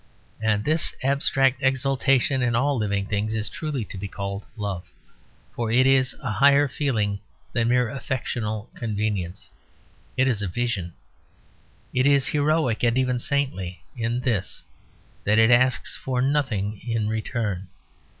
And this abstract exultation in all living things is truly to be called Love; for it is a higher feeling than mere affectional convenience; it is a vision. It is heroic, and even saintly, in this: that it asks for nothing in return.